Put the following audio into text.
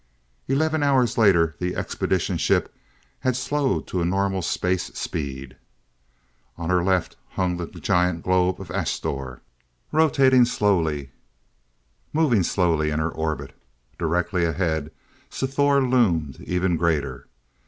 Eleven hours later, the expedition ship had slowed to a normal space speed. On her left hung the giant globe of Asthor, rotating slowly, moving slowly in her orbit. Directly ahead, Sthor loomed even greater.